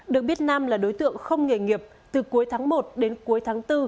được biết nam là đối tượng không nghề nghiệp từ cuối tháng một đến cuối tháng bốn